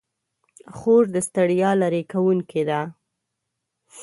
خور د ستړیا لیرې کوونکې ده.